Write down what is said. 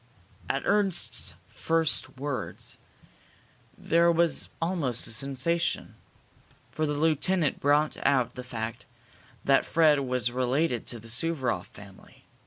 At Ernst's first words there was almost a sensation, for the lieutenant brought out the fact that Fred was related to the Suvaroff family.